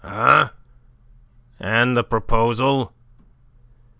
"Ah? And the proposal?"